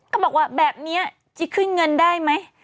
เขาบอกว่าแบบนี้จะขึ้นเงินได้ไหม